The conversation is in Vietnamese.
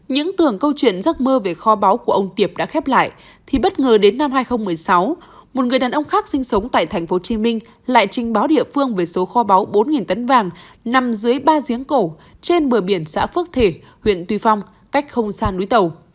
những tưởng câu chuyện giấc mơ về kho báu của ông tiệp đã khép lại thì bất ngờ đến năm hai nghìn một mươi sáu một người đàn ông khác sinh sống tại tp hcm lại trình báo địa phương về số kho báu bốn tấn vàng nằm dưới ba giếng cổ trên bờ biển xã phước thể huyện tuy phong cách không xa núi tàu